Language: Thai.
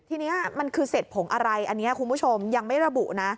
ทีนี้มันคือเศษผงอะไรอันนี้คุณผู้ชมยังไม่ระบุนะ